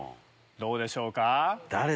どうでしょうか？